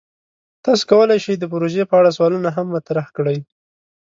تاسو کولی شئ د پروژې په اړه سوالونه هم مطرح کړئ.